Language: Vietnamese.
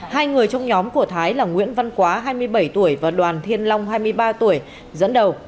hai người trong nhóm của thái là nguyễn văn quá hai mươi bảy tuổi và đoàn thiên long hai mươi ba tuổi dẫn đầu